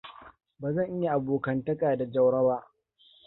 Bazan iya abonkantaka da Jauro ba.